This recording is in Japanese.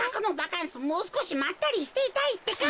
もうすこしまったりしていたいってか。